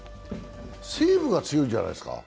西武が強いじゃないですか。